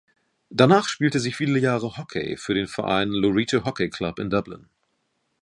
Danach spielte sie viele Jahre Hockey für den Verein "Loreto Hockey Club" in Dublin.